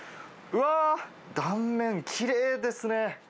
うわー、断面きれいですね。